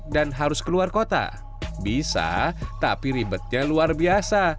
dan harus keluar kota bisa tapi ribetnya luar biasa